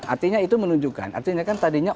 artinya itu menunjukkan artinya kan tadinya